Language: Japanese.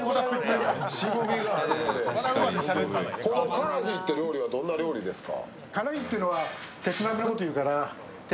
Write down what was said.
カラヒィっていう料理はどんな料理ですか？